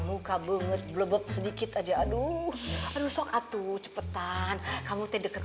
oh enggak usah mbak